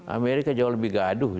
amerika jauh lebih gaduh